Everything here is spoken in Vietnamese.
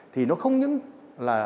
thì nó không những là